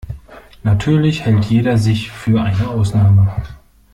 Natürlich hält jeder sich für eine Ausnahme.